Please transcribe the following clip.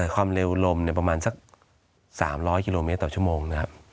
ความเร็วลมประมาณสัก๓๐๐กิโลเมตรต่อชั่วโมงนะครับ